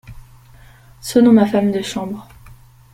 Sonnons ma femme de chambre.